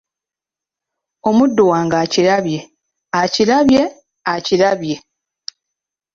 Omuddu wange akirabye, akirabye, akirabye !